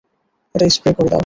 এটা স্প্রে করে দাও।